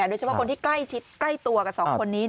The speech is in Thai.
โดยเฉพาะคนที่ใกล้ตัวกับ๒คนนี้